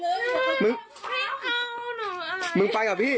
ไม่เอาหนูอ่ะมึงไปกับพี่